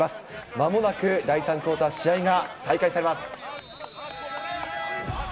まもなく第３クオーター、試合が再開されます。